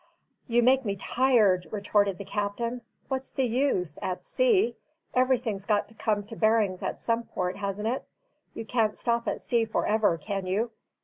"You make me tired," retorted the captain. "What's the use at sea? Everything's got to come to bearings at some port, hasn't it? You can't stop at sea for ever, can you?